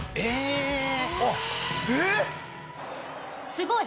すごい！